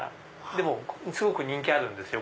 でもすごく人気あるんですよ